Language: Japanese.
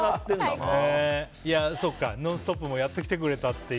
そうか、「ノンストップ！」もやっと来てくれたって。